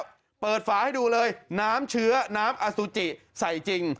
เปิดฝาให้ดูเลยน้ำเชื้อน้ำอสุจิใส่จริง